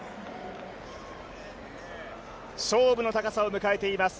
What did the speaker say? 勝負の高さを迎えています